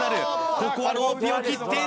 ここはローピンを切っている。